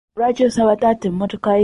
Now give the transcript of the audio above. Lwaki osaba taata emmotoka ye?